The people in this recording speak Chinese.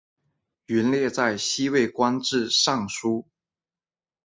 元烈在西魏官至尚书。